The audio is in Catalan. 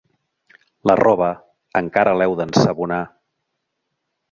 La roba, encara l'heu d'ensabonar.